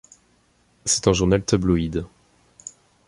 C'est un journal tabloïd.